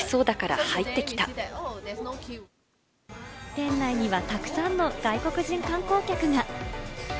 店内には、たくさんの外国人観光客が。